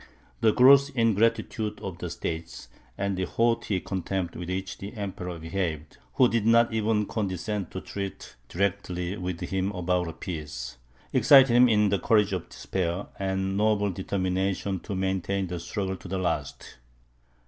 The gross ingratitude of the States, and the haughty contempt with which the Emperor behaved, (who did not even condescend to treat directly with him about a peace,) excited in him the courage of despair, and a noble determination to maintain the struggle to the last.